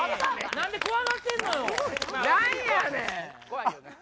何で怖がってんのよ